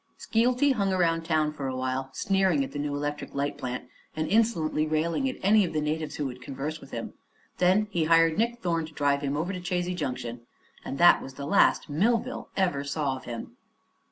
Skeelty hung around the town for awhile, sneering at the new electric light plant and insolently railing at any of the natives who would converse with him. Then he hired Nick Thorne to drive him over to Chazy Junction, and that was the last Millville ever saw of him.